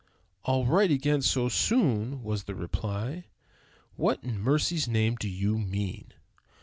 "All right again so soon?" was the reply. "What in mercy's name do you mean?"